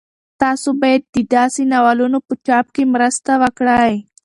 تاسو باید د داسې ناولونو په چاپ کې مرسته وکړئ.